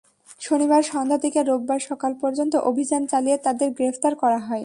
শনিবার সন্ধ্যা থেকে রোববার সকাল পর্যন্ত অভিযান চালিয়ে তাঁদের গ্রেপ্তার করা হয়।